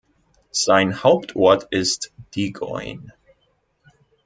Sein Hauptort ist Digoin.